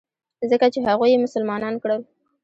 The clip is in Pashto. ځکه چې هغوى يې مسلمانان کړل.